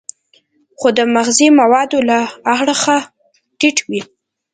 خو د مغذي موادو له اړخه ټیټ وي.